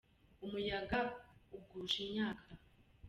umuyaga ugusha imyaka